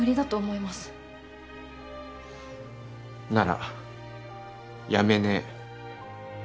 なら辞めねえ。